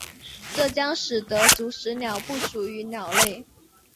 这将使得始祖鸟不属于鸟类。